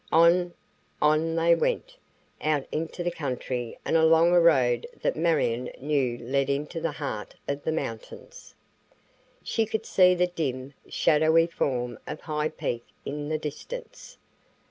On, on they went, out into the country and along a road that Marion knew led into the heart of the mountains. She could see the dim, shadowy form of High Peak in the distance.